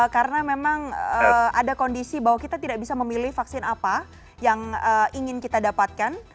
karena memang ada kondisi bahwa kita tidak bisa memilih vaksin apa yang ingin kita dapatkan